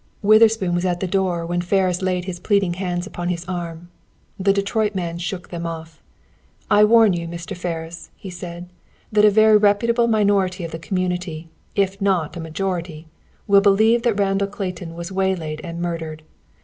Witherspoon was at the door when Ferris laid his pleading hands upon his arm. The Detroit man shook them off. "I warn you, Mr. Ferris," he said, "that a very reputable minority of the community, if not a majority, will believe that Randall Clayton was waylaid and murdered.